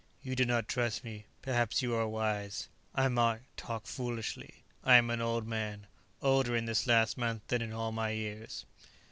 "You do not trust me. Perhaps you are wise. I might talk foolishly; I am an old man; older, in this last month, than in all my other years."